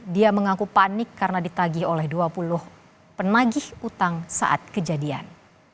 dia mengaku panik karena ditagi oleh dua puluh penagih utang saat kejadian